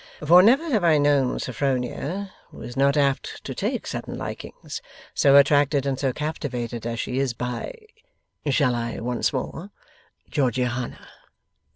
'For never have I known Sophronia (who is not apt to take sudden likings) so attracted and so captivated as she is by shall I once more? Georgiana.